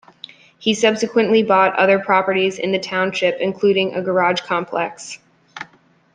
He subsequently bought other properties in the township, including a garage complex.